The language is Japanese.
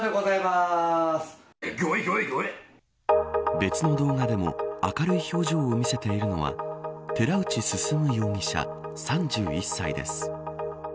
別の動画でも明るい表情を見せているのは寺内進容疑者３１歳です。